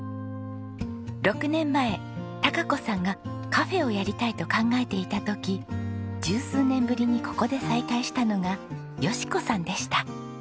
６年前貴子さんがカフェをやりたいと考えていた時十数年ぶりにここで再会したのが佳子さんでした。